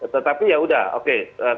tetapi ya udah oke